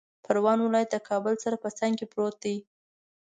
پروان ولایت د کابل سره په څنګ کې پروت دی